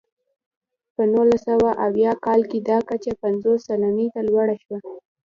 په نولس سوه اویا کال کې دا کچه پنځوس سلنې ته لوړه شوه.